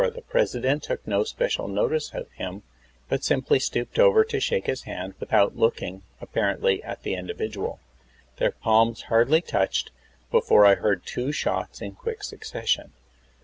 The President took no special notice of him, but simply stooped over to shake his hand, without looking, apparently, at the individual. "Their palms had hardly touched before I heard two shots in quick succes ' sion.